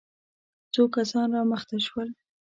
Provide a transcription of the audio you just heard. څو کسان را مخته شول.